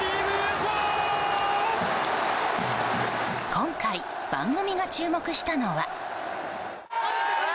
今回、番組が注目したのは。